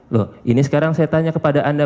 loh ini sekarang saya tanya kepada anda